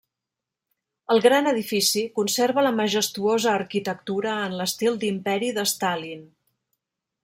El gran edifici conserva la majestuosa arquitectura en l'estil d'imperi de Stalin.